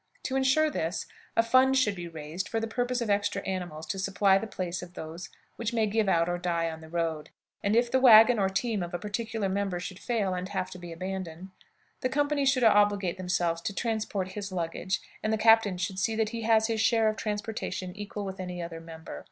To insure this, a fund should be raised for the purchase of extra animals to supply the places of those which may give out or die on the road; and if the wagon or team of a particular member should fail and have to be abandoned, the company should obligate themselves to transport his luggage, and the captain should see that he has his share of transportation equal with any other member.